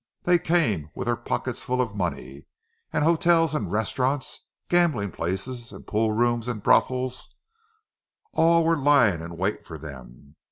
They came with their pockets full of money; and hotels and restaurants, gambling places and pool rooms and brothels—all were lying in wait for them!